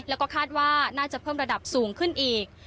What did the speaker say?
แล้วก็คาดว่าน่าจะเพิ่มระดับสูงขึ้นอีก